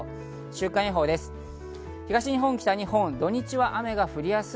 週間予報です。